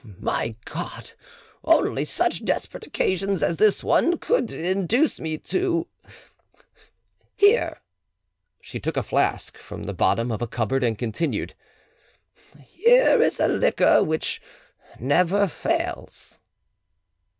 My God! only such desperate occasions as this one could induce me to—— Here——" She took a flask from the bottom of a cupboard, and continued— "Here is a liquor which never fails."